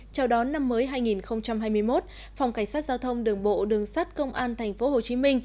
chào đón năm mới hai nghìn hai mươi một phòng cảnh sát giao thông đường bộ đường sát công an tp hcm